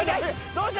どうした？